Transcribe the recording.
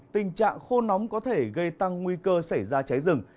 tình trạng khô nóng có thể gây tăng nguy cơ xảy ra cháy rừng